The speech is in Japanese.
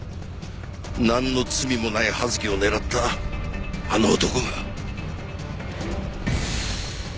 なんの罪もない葉月を狙ったあの男が。